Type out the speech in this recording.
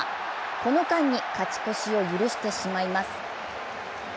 この間に勝ち越しを許してしまいます。